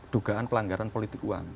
dugaan pelanggaran politik uang